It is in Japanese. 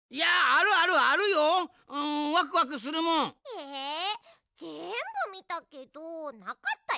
えぜんぶみたけどなかったよ。